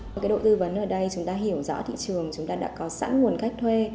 một cái đội tư vấn ở đây chúng ta hiểu rõ thị trường chúng ta đã có sẵn nguồn cách thuê